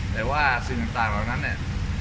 แต่ว่าสิ่งต่างเหล่านั้นเนี่ย